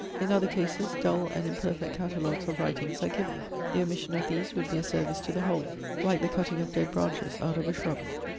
In other cases, dull and imperfect catalogues of writings are given. The omission of these would be a service to the whole, like the cutting of dead branches out of a shrub.